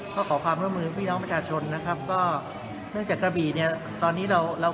ก็ขอความร่วมมือพี่น้องประชาชนนะครับก็เนื่องจากกระบี่เนี่ยตอนนี้เราเรา